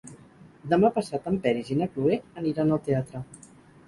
Demà passat en Peris i na Cloè aniran al teatre.